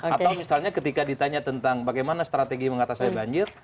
atau misalnya ketika ditanya tentang bagaimana strategi mengatasi banjir